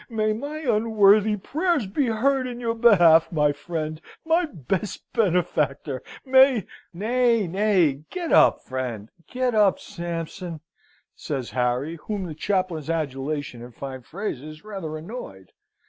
May my unworthy prayers be heard in your behalf, my friend, my best benefactor! May " "Nay, nay! get up, friend get up, Sampson!" says Harry, whom the chaplain's adulation and fine phrases rather annoyed.